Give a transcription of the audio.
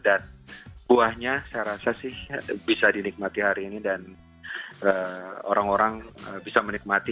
dan buahnya saya rasa sih bisa dinikmati hari ini dan orang orang bisa menikmati